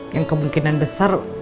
yang kemungkinan besar